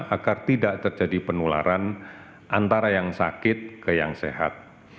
agar tidak terjadi penularan antara yang sakit ke yang sehat